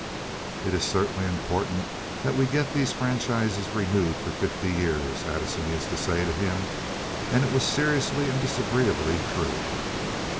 "It is certainly important that we get these franchises renewed for fifty years," Addison used to say to him, and it was seriously and disagreeably true.